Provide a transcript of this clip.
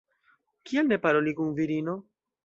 Kial ne paroli kun virino?